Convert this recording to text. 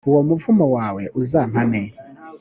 uwo muvumo wawe uzampame